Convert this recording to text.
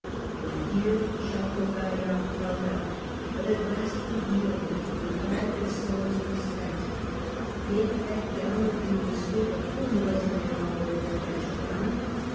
For a year Chiteau Loss of Gaillard held out, but at last it yielded when Normandy, all its stores were spent. It had gallantly withstood the whole military power of the French crown.